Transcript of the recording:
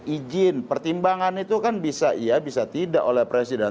ijin pertimbangan itu kan bisa iya bisa tidak oleh presiden